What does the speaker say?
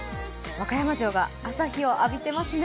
和歌山城が朝日を浴びてますね。